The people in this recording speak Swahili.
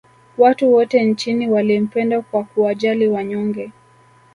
Watu wote nchini walimpenda kwa kuwajali wanyonge